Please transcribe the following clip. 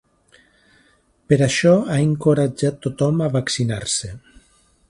Per això ha encoratjat tothom a vaccinar-se.